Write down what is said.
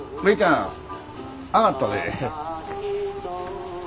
上がったで。